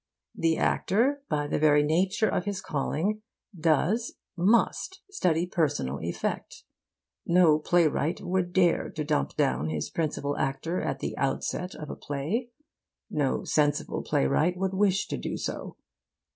The actor, by the very nature of his calling, does, must, study personal effect. No playwright would dare to dump down his principal actor at the outset of a play. No sensible playwright would wish to do so.